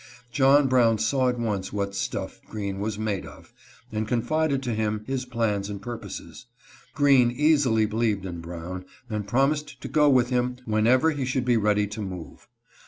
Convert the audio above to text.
John Brown saw at once what *' stuff " Green " was made of," and confided to him his plans and purposes. Green easily believed in Brown, and promised to go with him whenever he should be ready to move.